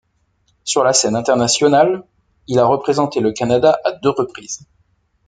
Sur la scène internationale, il a représenté le Canada à deux reprises.